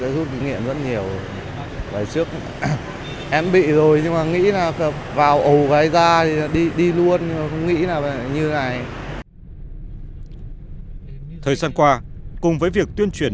thời gian qua cùng với việc tuyên truyền